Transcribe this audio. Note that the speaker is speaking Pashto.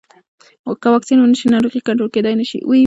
که واکسین ونه شي، ناروغي کنټرول کېدای نه شي.